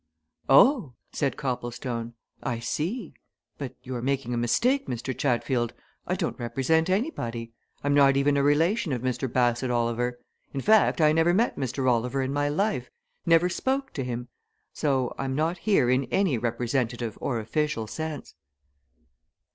"Oh!" said Copplestone. "I see! But you're making a mistake, Mr. Chatfield. I don't represent anybody. I'm not even a relation of Mr. Bassett Oliver. In fact, I never met Mr. Oliver in my life: never spoke to him. So I'm not here in any representative or official sense."